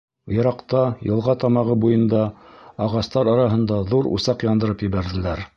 Йыраҡта, йылға тамағы буйында, ағастар араһында ҙур усаҡ яндырып ебәрҙеләр.